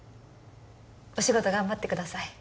お仕事頑張ってください